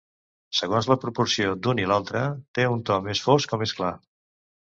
Segons la proporció d'un i altre, té un to més fosc o més clar.